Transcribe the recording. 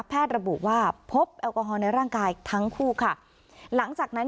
ระบุว่าพบแอลกอฮอลในร่างกายทั้งคู่ค่ะหลังจากนั้น